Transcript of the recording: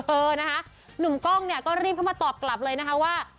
เออนะคะหนุ่มกล้องเนี่ยก็รีบเข้ามาตอบกลับเลยนะคะว่า